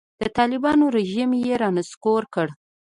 د طالبانو رژیم یې رانسکور کړ.